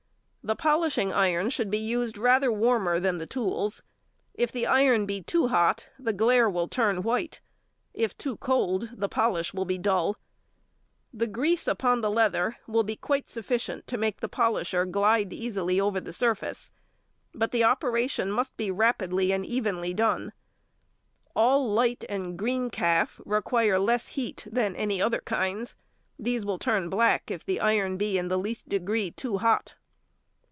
The polishing iron should be used rather warmer than the tools. If the iron be too hot the glaire will turn white; if too cold the polish will be dull. The grease upon the leather will be quite sufficient to make |141| the polisher glide easily over the surface, but the operation must be rapidly and evenly done. All light and green calf require less heat than any other kinds. These will turn black if the iron be in the least degree too hot.